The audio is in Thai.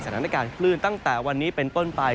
สถานการณ์คลื่นตั้งแต่วันนี้เป็นต้นไป